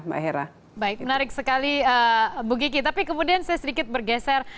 menarik sekali bu giki tapi kemudian saya sedikit bergeser